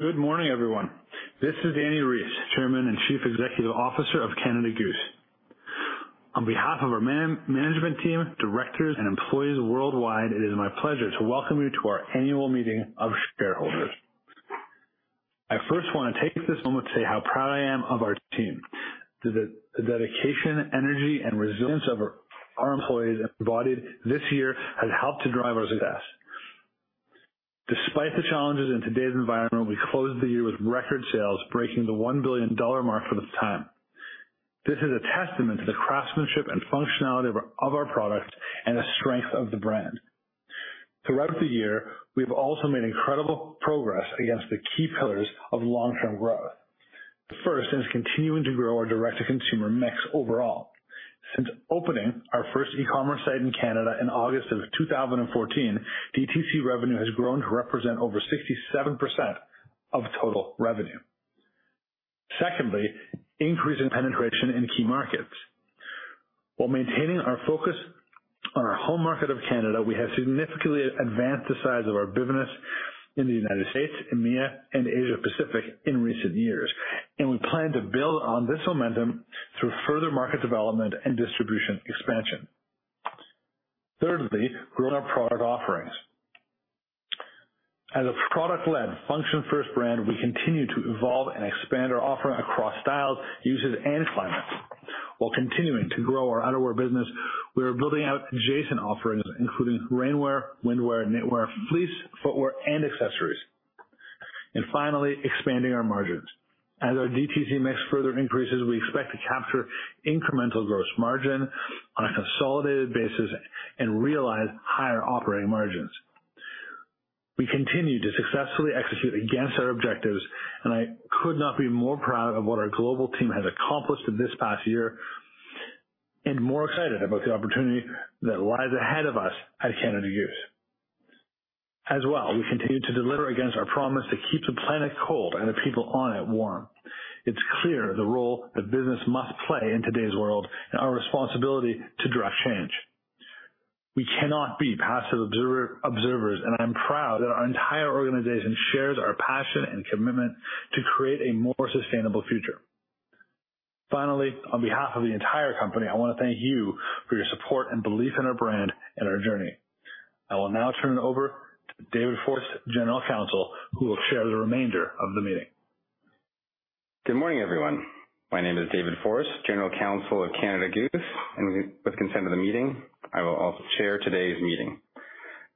Good morning, everyone. This is Dani Reiss, Chairman and Chief Executive Officer of Canada Goose. On behalf of our management team, directors and employees worldwide, it is my pleasure to welcome you to our annual meeting of shareholders. I first wanna take this moment to say how proud I am of our team. The dedication, energy and resilience of our employees embodied this year has helped to drive our success. Despite the challenges in today's environment, we closed the year with record sales, breaking the C$1 billion mark for the first time. This is a testament to the craftsmanship and functionality of our products and the strength of the brand. Throughout the year, we've also made incredible progress against the key pillars of long-term growth. The first is continuing to grow our direct-to-consumer mix overall. Since opening our first e-commerce site in Canada in August of 2014, DTC revenue has grown to represent over 67% of total revenue. Secondly, increase in penetration in key markets. While maintaining our focus on our home market of Canada, we have significantly advanced the size of our business in the United States, EMEA and Asia Pacific in recent years, and we plan to build on this momentum through further market development and distribution expansion. Thirdly, growing our product offerings. As a product-led function first brand, we continue to evolve and expand our offering across styles, uses and climates. While continuing to grow our outerwear business, we are building out adjacent offerings, including rainwear, windwear, knitwear, fleece, footwear and accessories. Finally, expanding our margins. As our DTC mix further increases, we expect to capture incremental gross margin on a consolidated basis and realize higher operating margins. We continue to successfully execute against our objectives, and I could not be more proud of what our global team has accomplished in this past year and more excited about the opportunity that lies ahead of us at Canada Goose. We continue to deliver against our promise to keep the planet cold and the people on it warm. It's clear the role that business must play in today's world and our responsibility to drive change. We cannot be passive observers, and I'm proud that our entire organization shares our passion and commitment to create a more sustainable future. Finally, on behalf of the entire company, I wanna thank you for your support and belief in our brand and our journey. I will now turn it over to David Forrest, General Counsel, who will chair the remainder of the meeting. Good morning, everyone. My name is David Forrest, General Counsel of Canada Goose, and with consent of the meeting, I will also chair today's meeting.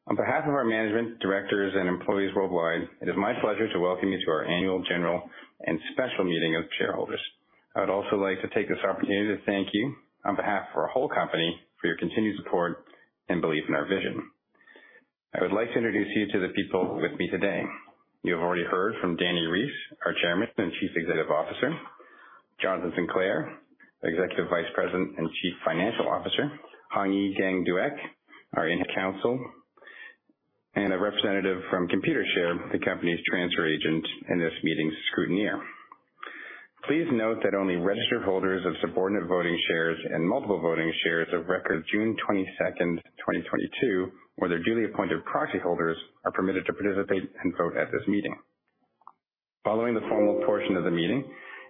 On behalf of our management, directors and employees worldwide, it is my pleasure to welcome you to our annual general and special meeting of shareholders. I would also like to take this opportunity to thank you on behalf of our whole company for your continued support and belief in our vision. I would like to introduce you to the people with me today. You have already heard from Dani Reiss, our Chairman and Chief Executive Officer, Jonathan Sinclair, Executive Vice President and Chief Financial Officer, Hany Giang Duiec, our in-house counsel, and a representative from Computershare, the company's transfer agent and this meeting's scrutineer. Please note that only registered holders of subordinate voting shares and multiple voting shares of record June 22nd, 2022, or their duly appointed proxy holders, are permitted to participate and vote at this meeting. Following the formal portion of the meeting,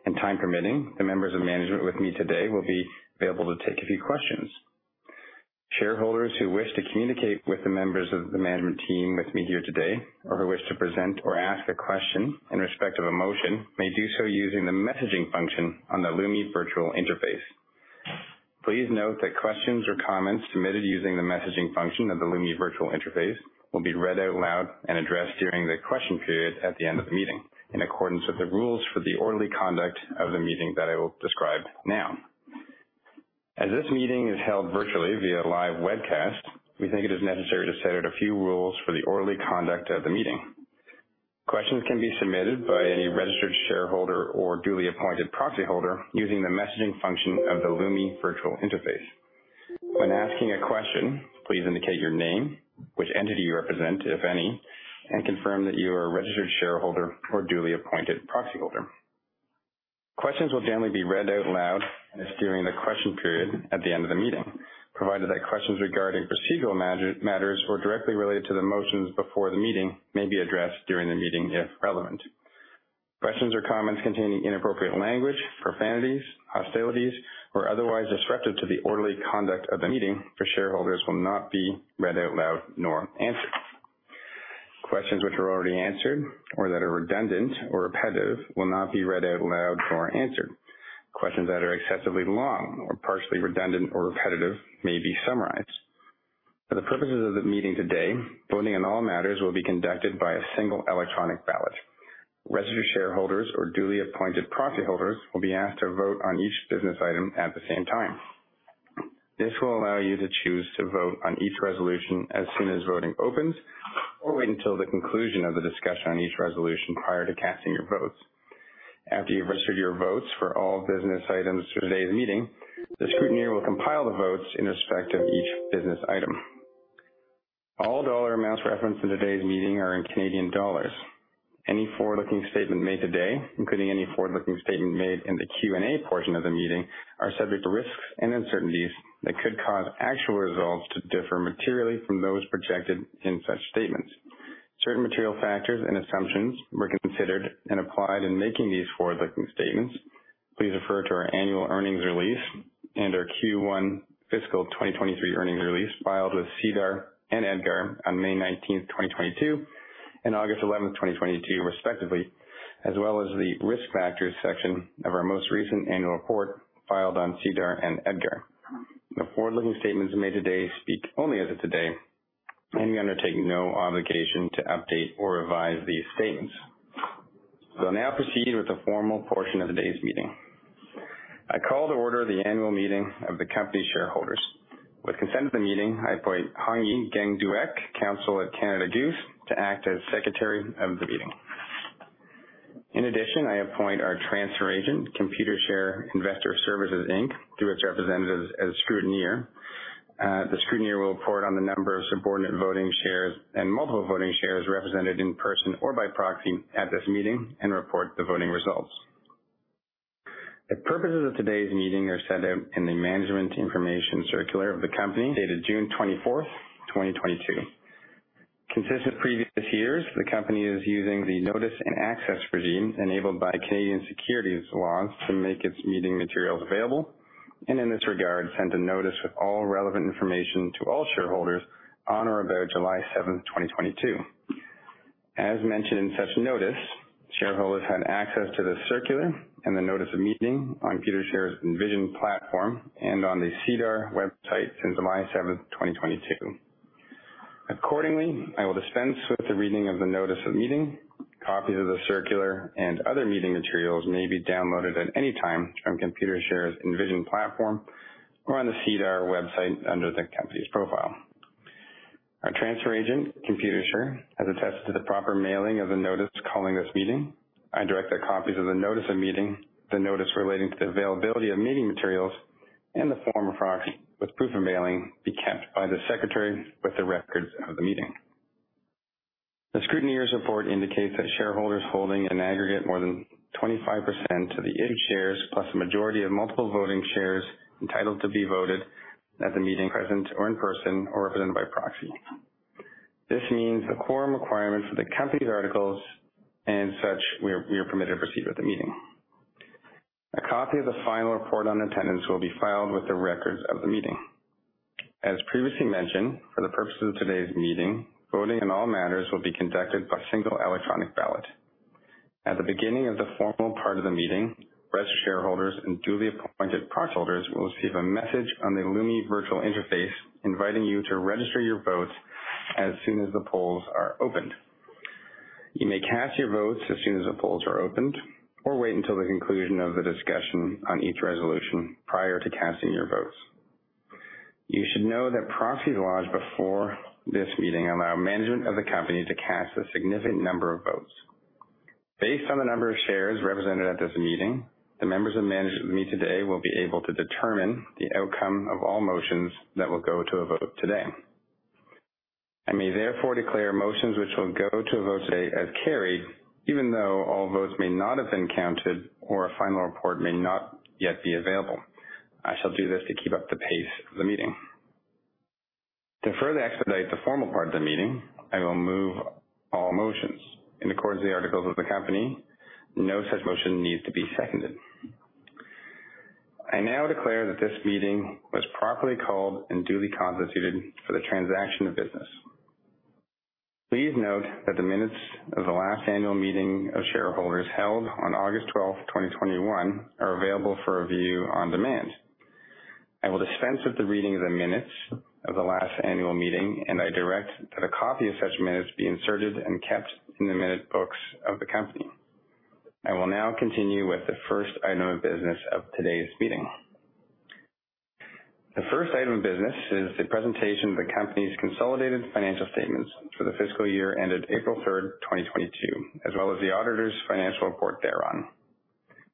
and time permitting, the members of management with me today will be available to take a few questions. Shareholders who wish to communicate with the members of the management team with me here today, or who wish to present or ask a question in respect of a motion, may do so using the messaging function on the Lumi Virtual Interface. Please note that questions or comments submitted using the messaging function of the Lumi Virtual Interface will be read out loud and addressed during the question period at the end of the meeting in accordance with the rules for the orderly conduct of the meeting that I will describe now. As this meeting is held virtually via live webcast, we think it is necessary to set out a few rules for the orderly conduct of the meeting. Questions can be submitted by any registered shareholder or duly appointed proxy holder using the messaging function of the Lumi Virtual Interface. When asking a question, please indicate your name, which entity you represent, if any, and confirm that you are a registered shareholder or duly appointed proxy holder. Questions will generally be read out loud and are during the question period at the end of the meeting, provided that questions regarding procedural matters or directly related to the motions before the meeting may be addressed during the meeting if relevant. Questions or comments containing inappropriate language, profanities, hostilities, or otherwise disruptive to the orderly conduct of the meeting for shareholders will not be read out loud nor answered. Questions which are already answered or that are redundant or repetitive will not be read out loud nor answered. Questions that are excessively long or partially redundant or repetitive may be summarized. For the purposes of the meeting today, voting on all matters will be conducted by a single electronic ballot. Registered shareholders or duly appointed proxy holders will be asked to vote on each business item at the same time. This will allow you to choose to vote on each resolution as soon as voting opens, or wait until the conclusion of the discussion on each resolution prior to casting your votes. After you've registered your votes for all business items for today's meeting, the scrutineer will compile the votes in respect of each business item. All dollar amounts referenced in today's meeting are in Canadian dollars. Any forward-looking statement made today, including any forward-looking statement made in the Q&A portion of the meeting, are subject to risks and uncertainties that could cause actual results to differ materially from those projected in such statements. Certain material factors and assumptions were considered and applied in making these forward-looking statements. Please refer to our annual earnings release and our Q1 fiscal 2023 earnings release filed with SEDAR and EDGAR on May 19, 2022 and August 11, 2022 respectively, as well as the Risk Factors section of our most recent annual report filed on SEDAR and EDGAR. The forward-looking statements made today speak only as of today, and we undertake no obligation to update or revise these statements. We'll now proceed with the formal portion of today's meeting. I call to order the annual meeting of the company's shareholders. With consent of the meeting, I appoint Han-Yi Keng, counsel at Canada Goose, to act as secretary of the meeting. In addition, I appoint our transfer agent, Computershare Investor Services Inc., through its representatives as scrutineer. The scrutineer will report on the number of subordinate voting shares and multiple voting shares represented in person or by proxy at this meeting and report the voting results. The purposes of today's meeting are set out in the management information circular of the company dated June 24, 2022. Consistent with previous years, the company is using the notice and access regime enabled by Canadian securities laws to make its meeting materials available and, in this regard, sent a notice with all relevant information to all shareholders on or about July 7, 2022. As mentioned in such notice, shareholders had access to the circular and the notice of meeting on Computershare's Envision platform and on the SEDAR website since July 7, 2022. Accordingly, I will dispense with the reading of the notice of meeting. Copies of the circular and other meeting materials may be downloaded at any time from Computershare's Envision platform or on the SEDAR website under the company's profile. Our transfer agent, Computershare, has attested to the proper mailing of the notice calling this meeting. I direct that copies of the notice of meeting, the notice relating to the availability of meeting materials, and the form of proxy with proof of mailing be kept by the secretary with the records of the meeting. The scrutineer's report indicates that shareholders holding an aggregate more than 25% of the outstanding shares plus a majority of multiple voting shares entitled to be voted at the meeting present in person or represented by proxy. This means the quorum requirements for the company's articles, as such we are permitted to proceed with the meeting. A copy of the final report on attendance will be filed with the records of the meeting. As previously mentioned, for the purposes of today's meeting, voting on all matters will be conducted by single electronic ballot. At the beginning of the formal part of the meeting, registered shareholders and duly appointed proxy holders will receive a message on the Lumi Virtual Interface inviting you to register your votes as soon as the polls are opened. You may cast your votes as soon as the polls are opened or wait until the conclusion of the discussion on each resolution prior to casting your votes. You should know that proxies lodged before this meeting allow management of the company to cast a significant number of votes. Based on the number of shares represented at this meeting, the members of management with me today will be able to determine the outcome of all motions that will go to a vote today. I may therefore declare motions which will go to a vote today as carried, even though all votes may not have been counted or a final report may not yet be available. I shall do this to keep up the pace of the meeting. To further expedite the formal part of the meeting, I will move all motions. In accordance with the articles of the company, no such motion needs to be seconded. I now declare that this meeting was properly called and duly constituted for the transaction of business. Please note that the minutes of the last annual meeting of shareholders held on August 12, 2021, are available for review on demand. I will dispense with the reading of the minutes of the last annual meeting, and I direct that a copy of such minutes be inserted and kept in the minute books of the company. I will now continue with the first item of business of today's meeting. The first item of business is the presentation of the company's consolidated financial statements for the fiscal year ended April 3, 2022, as well as the auditor's financial report thereon.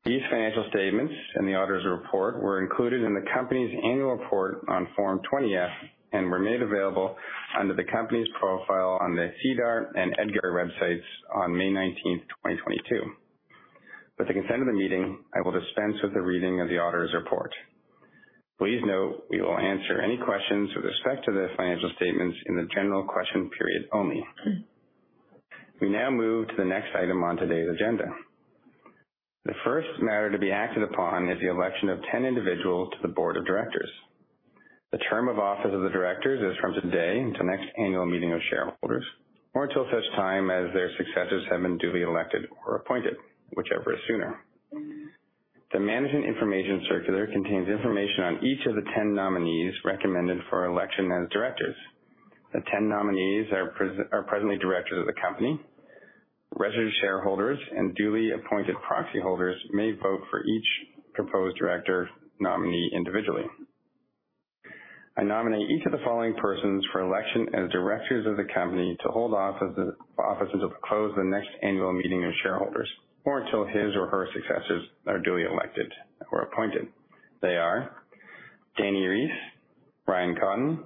These financial statements and the auditor's report were included in the company's annual report on Form 20-F and were made available under the company's profile on the SEDAR and EDGAR websites on May 19, 2022. With the consent of the meeting, I will dispense with the reading of the auditor's report. Please note we will answer any questions with respect to the financial statements in the general question period only. We now move to the next item on today's agenda. The first matter to be acted upon is the election of 10 individuals to the board of directors. The term of office of the directors is from today until next annual meeting of shareholders or until such time as their successors have been duly elected or appointed, whichever is sooner. The management information circular contains information on each of the 10 nominees recommended for election as directors. The 10 nominees are presently directors of the company. Registered shareholders and duly appointed proxy holders may vote for each proposed director nominee individually. I nominate each of the following persons for election as directors of the company to hold office until the next annual meeting of shareholders or until his or her successors are duly elected or appointed. They are Dani Reiss, Ryan Cotton,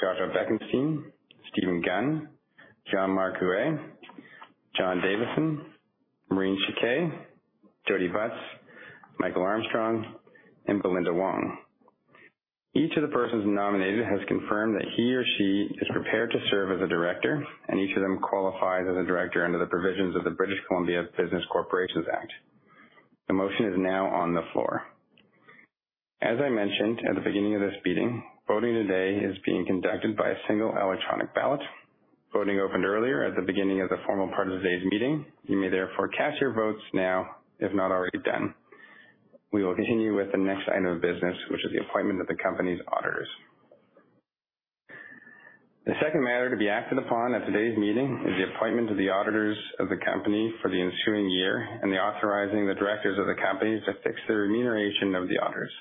Joshua Bekenstein, Stephen Gunn, Jean-Marc Huët, John Davison, Maureen Chiquet, Jodi Butts, Michael D. Armstrong, and Belinda Wong. Each of the persons nominated has confirmed that he or she is prepared to serve as a director, and each of them qualifies as a director under the provisions of the British Columbia Business Corporations Act. The motion is now on the floor. As I mentioned at the beginning of this meeting, voting today is being conducted by a single electronic ballot. Voting opened earlier at the beginning of the formal part of today's meeting. You may therefore cast your votes now, if not already done. We will continue with the next item of business, which is the appointment of the company's auditors. The second matter to be acted upon at today's meeting is the appointment of the auditors of the company for the ensuing year and authorizing the directors of the company to fix the remuneration of the auditors.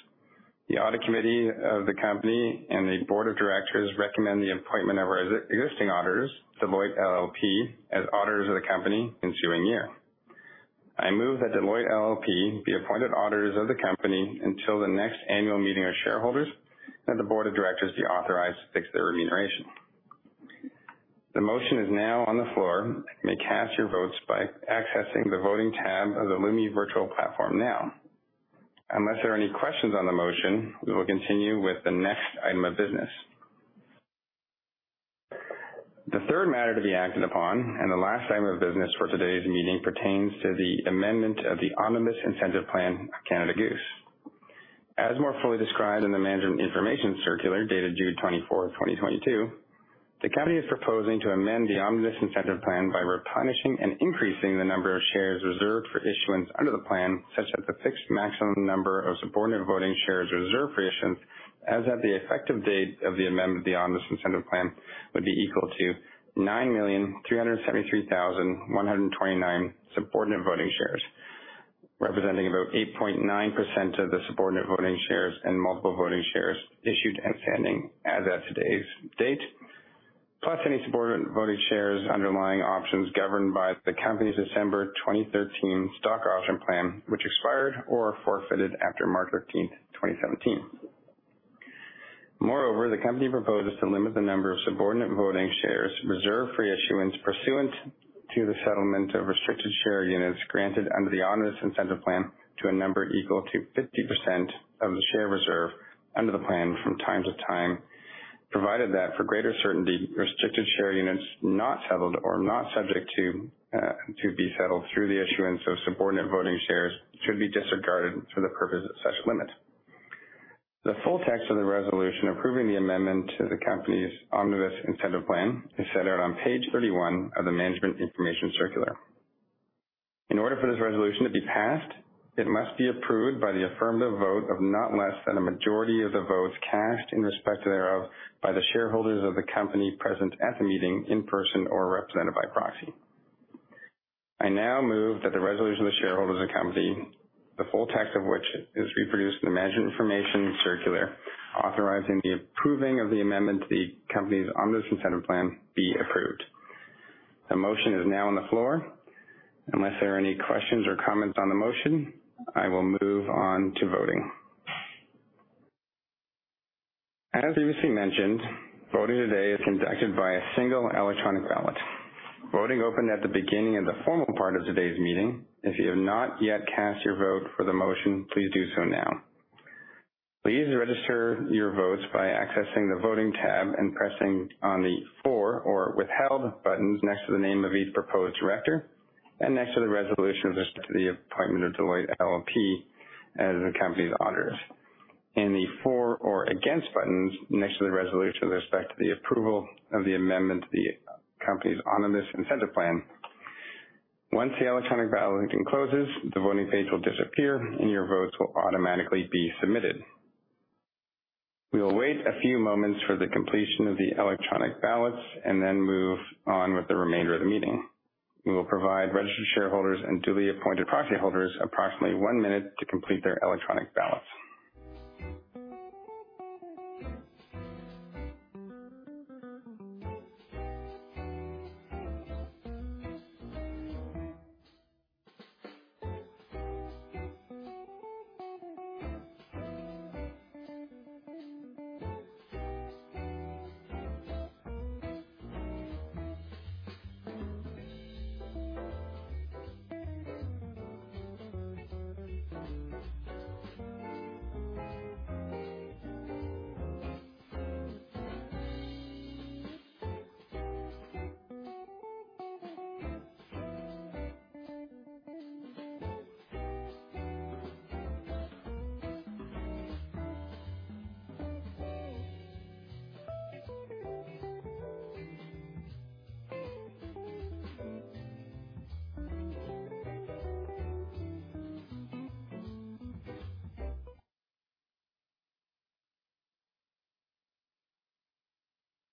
The audit committee of the company and the board of directors recommend the appointment of our existing auditors, Deloitte LLP, as auditors of the company for the ensuing year. I move that Deloitte LLP be appointed auditors of the company until the next annual meeting of shareholders, and the board of directors be authorized to fix their remuneration. The motion is now on the floor. You may cast your votes by accessing the Voting tab of the Lumi Virtual Platform now. Unless there are any questions on the motion, we will continue with the next item of business. The third matter to be acted upon and the last item of business for today's meeting pertains to the amendment of the Omnibus Incentive Plan of Canada Goose. As more fully described in the Management Information Circular dated June 24, 2022, the company is proposing to amend the Omnibus Incentive Plan by replenishing and increasing the number of shares reserved for issuance under the plan, such that the fixed maximum number of subordinate voting shares reserved for issuance as at the effective date of the amendment to the Omnibus Incentive Plan would be equal to 9,373,129 subordinate voting shares, representing about 8.9% of the subordinate voting shares and multiple voting shares issued and standing as at today's date, plus any subordinate voting shares underlying options governed by the company's December 2013 stock option plan, which expired or forfeited after March 13, 2017. Moreover, the company proposes to limit the number of subordinate voting shares reserved for issuance pursuant to the settlement of restricted share units granted under the Omnibus Incentive Plan to a number equal to 50% of the share reserve under the plan from time to time, provided that, for greater certainty, restricted share units not settled or not subject to be settled through the issuance of subordinate voting shares should be disregarded for the purpose of such limit. The full text of the resolution approving the amendment to the company's Omnibus Incentive Plan is set out on page 31 of the Management Information Circular. In order for this resolution to be passed, it must be approved by the affirmative vote of not less than a majority of the votes cast in respect thereof by the shareholders of the company present at the meeting in person or represented by proxy. I now move that the resolution of the shareholders of the company, the full text of which is reproduced in the Management Information Circular, authorizing the approving of the amendment to the company's Omnibus Incentive Plan be approved. The motion is now on the floor. Unless there are any questions or comments on the motion, I will move on to voting. As previously mentioned, voting today is conducted by a single electronic ballot. Voting opened at the beginning of the formal part of today's meeting. If you have not yet cast your vote for the motion, please do so now. Please register your votes by accessing the Voting tab and pressing on the For or Withheld buttons next to the name of each proposed director and next to the resolution with respect to the appointment of Deloitte LLP as the company's auditors, and the For or Against buttons next to the resolution with respect to the approval of the amendment to the company's Omnibus Incentive Plan. Once the electronic balloting closes, the voting page will disappear, and your votes will automatically be submitted. We will wait a few moments for the completion of the electronic ballots and then move on with the remainder of the meeting. We will provide registered shareholders and duly appointed proxy holders approximately one minute to complete their electronic ballots.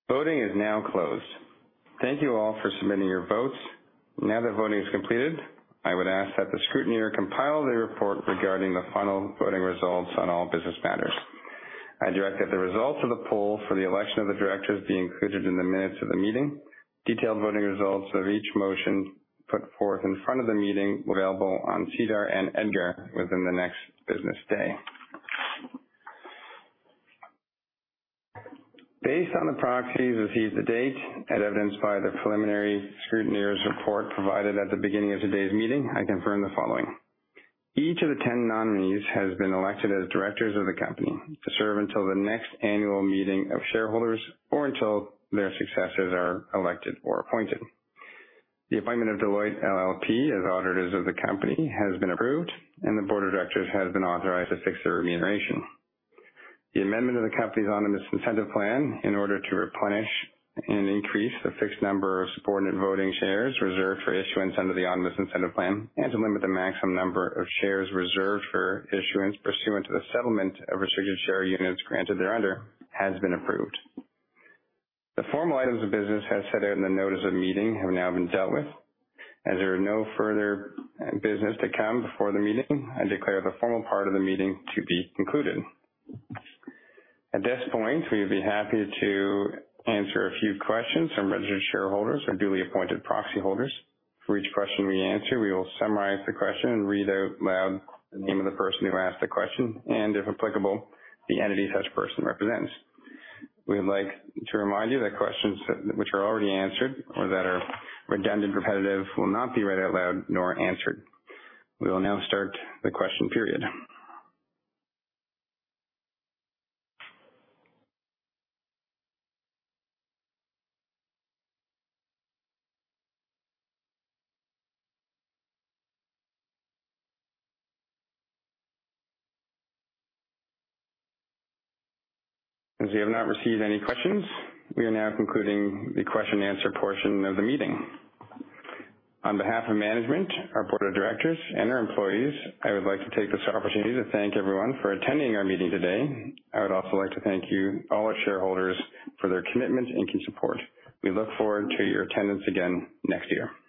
Voting is now closed. Thank you all for submitting your votes. Now that voting is completed, I would ask that the scrutineer compile the report regarding the final voting results on all business matters. I direct that the results of the poll for the election of the directors be included in the minutes of the meeting. Detailed voting results of each motion put forth in front of the meeting will be available on SEDAR and EDGAR within the next business day. Based on the proxies received to date, as evidenced by the preliminary scrutineer's report provided at the beginning of today's meeting, I confirm the following. Each of the 10 nominees has been elected as directors of the company to serve until the next annual meeting of shareholders or until their successors are elected or appointed. The appointment of Deloitte LLP as auditors of the company has been approved, and the board of directors has been authorized to fix their remuneration. The amendment of the company's omnibus incentive plan in order to replenish and increase the fixed number of subordinate voting shares reserved for issuance under the omnibus incentive plan and to limit the maximum number of shares reserved for issuance pursuant to the settlement of restricted share units granted thereunder has been approved. The formal items of business as set out in the notice of the meeting have now been dealt with. There are no further business to come before the meeting, I declare the formal part of the meeting to be concluded. At this point, we'd be happy to answer a few questions from registered shareholders or duly appointed proxy holders. For each question we answer, we will summarize the question and read out loud the name of the person who asked the question and, if applicable, the entity such person represents. We would like to remind you that questions which are already answered or that are redundant, repetitive will not be read out loud nor answered. We will now start the question period. As we have not received any questions, we are now concluding the question and answer portion of the meeting. On behalf of management, our board of directors, and our employees, I would like to take this opportunity to thank everyone for attending our meeting today. I would also like to thank you, all our shareholders, for their commitment and support. We look forward to your attendance again next year.